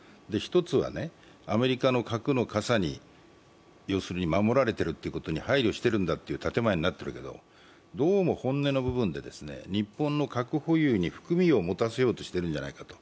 １つは、アメリカの核の傘に守られているということに配慮しているんだという建て前になってるんだけど、どうも本音の部分で、日本の核保有に含みを持たせようとしているんじゃないかと。